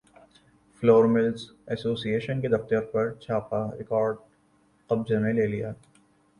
floor mills association کے دفترپر چھاپہ ریکارڈ قبضہ میں لے لیا